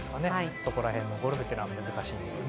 そこら辺のゴルフというのは難しいですね。